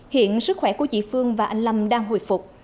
hiện sức khỏe của chị phương và anh lâm đang hồi phục